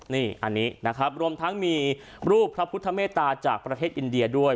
นี่อันนี้นะครับรวมทั้งมีรูปพระพุทธเมตตาจากประเทศอินเดียด้วย